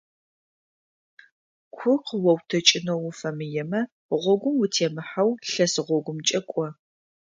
Ку къыоутэкӏынэу уфэмыемэ гъогум утемыхьэу лъэс гъогумкӏэ кӏо.